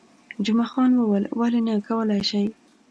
جمعه خان وویل، ولې نه، کولای شئ.